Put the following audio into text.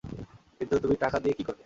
কিন্তু, তুমি টাকা দিয়ে কি করবে?